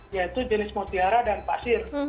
yaitu jenis mutiara dan pasir